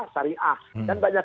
sariah dan banyak